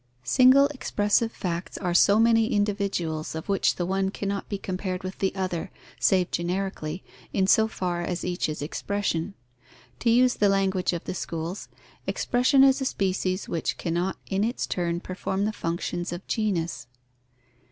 Single expressive facts are so many individuals, of which the one cannot be compared with the other, save generically, in so far as each is expression. To use the language of the schools, expression is a species which cannot in its turn perform the functions of genus.